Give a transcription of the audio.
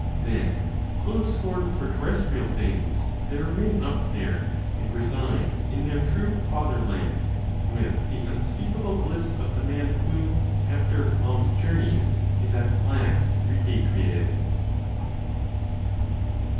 Then, full of scorn for terrestrial things, they remain up there, and reside in their true fatherland with the unspeakable bliss of the man who, after long journeys, is at last repatriated.